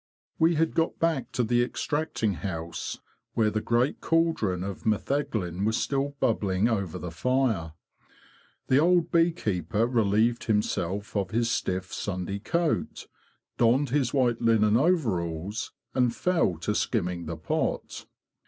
We had got back to the extracting house, where the great caldron of metheglin was still bubbling over the fire. The old bee keeper relieved himself of his stiff Sunday coat, donned his white linen over alls, and fell to skimming the pot.